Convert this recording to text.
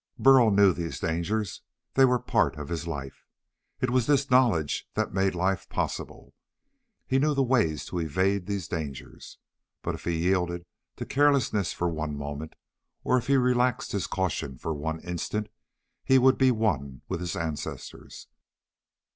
Burl knew these dangers. They were part of his life. It was this knowledge that made life possible. He knew the ways to evade these dangers. But if he yielded to carelessness for one moment, or if he relaxed his caution for one instant, he would be one with his ancestors.